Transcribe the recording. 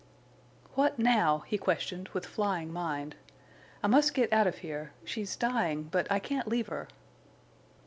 "What—now?" he questioned, with flying mind. "I must get out of here. She's dying—but I can't leave her."